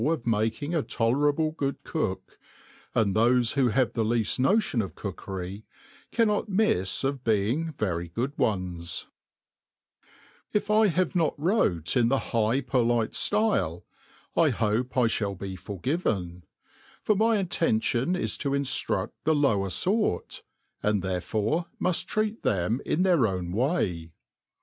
of making a tolerable good cooky and tbofe who have the leajl notion of Cookery cannot mifs of being very good ones, ' If I have not wrote in the high pclite flyle^ I hope I fhall be forgiven \ for my intention is to inJiruSl the lower fort, and theirefore muft treat them in their own way.